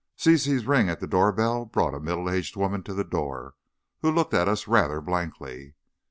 Zizi's ring at the bell brought a middle aged woman to the door, who looked at us rather blankly.